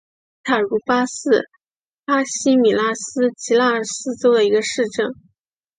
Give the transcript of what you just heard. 伊塔茹巴是巴西米纳斯吉拉斯州的一个市镇。